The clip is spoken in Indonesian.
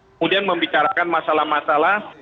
kemudian membicarakan masalah masalah